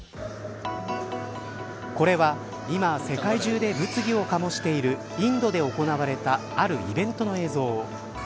これは今世界中で物議を醸しているインドで行われたあるイベントの映像。